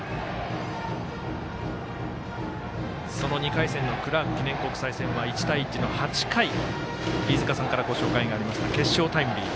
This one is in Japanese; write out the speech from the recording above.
その２回戦のクラーク記念国際戦は１対１の８回、飯塚さんからご紹介がありました決勝タイムリー。